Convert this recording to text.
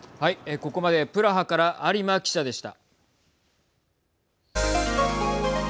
ここまでプラハから有馬記者でした。